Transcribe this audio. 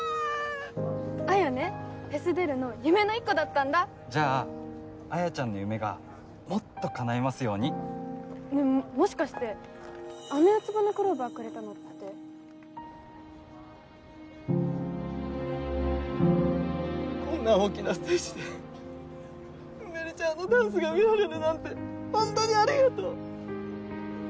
文ねフェス出るの夢の１個だったんだじゃあ文ちゃんの夢がもっとかないますようにねぇもしかしてあの四つ葉のクローバーくれたのってこんな大きなステージでゆめ莉ちゃんのダンスが見られるなんてほんとにありがとう！